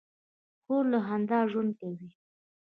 خور له خندا ژوند کوي.